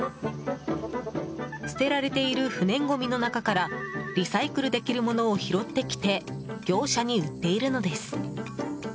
捨てられている不燃ゴミの中からリサイクルできるものを拾ってきて業者に売っているのです。